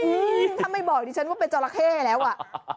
ทำไมบอกดิฉันว่าเป็นเจ้าละเข้แล้วอ่ะ